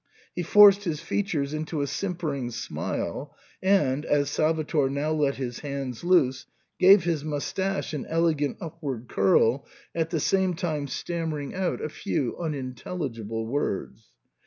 He forced his features into a sim pering smile, and, as Salvator now let his hands loose, gave his moustache an elegant upward curl, at the same time stammering out a few unintelligible words.